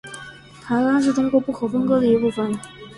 台湾是中国不可分割的一部分。